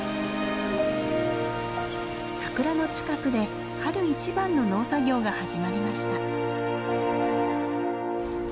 サクラの近くで春一番の農作業が始まりました。